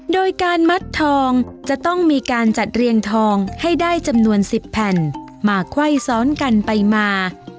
โดยการมัดทองจะต้องมีการจัดเรียงทองให้ได้จำนวน๑๐แผ่นมาไขว้ซ้อนกันไปมา